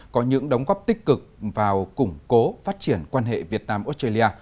có những đóng góp tích cực vào củng cố phát triển quan hệ việt nam australia